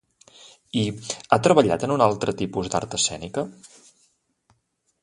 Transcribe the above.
I ha treballat en algun altre tipus d'art escènica?